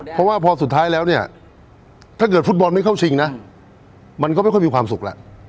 เพราะว่าพอสุดท้ายแล้วเนี่ยถ้าเกิดฟุตบอลไม่เข้าชิงนะมันก็ไม่ค่อยมีความสุขแล้ว